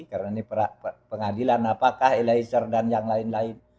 karena ini pengadilan apakah eliezer dan yang lain lain